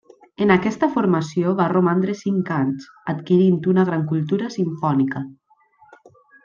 En aquesta formació va romandre cinc anys, adquirint una gran cultura simfònica.